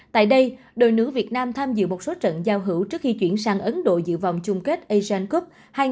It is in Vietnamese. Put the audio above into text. tại đây đội nữ việt nam tham dự một số trận giao hữu trước khi chuyển sang ấn độ dự vòng chung kết ashan cup hai nghìn hai mươi